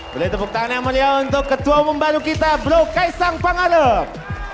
boleh tepuk tangan yang meriah untuk ketua umum baru kita bro kaesang panggala